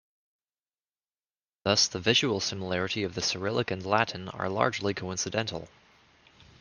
Thus the visual similarity of the Cyrillic and Latin are largely coincidental.